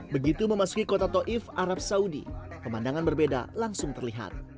begitu memasuki kota toif arab saudi pemandangan berbeda langsung terlihat